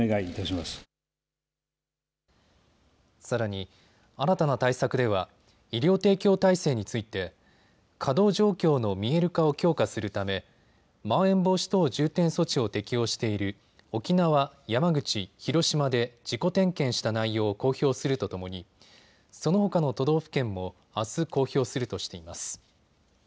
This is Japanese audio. さらに、新たな対策では医療提供体制について稼働状況の見える化を強化するためまん延防止等重点措置を適用している沖縄、山口、広島で自己点検した内容を公表するとともにそのほかの都道府県もあす公表するとしています。